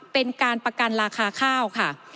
เป็นการประกันราคาข้าวค่ะ